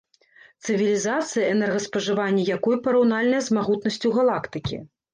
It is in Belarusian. Цывілізацыя, энергаспажыванне якой параўнальнае з магутнасцю галактыкі.